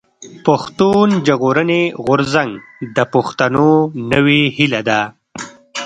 پښتون ژغورني غورځنګ د پښتنو نوې هيله ده.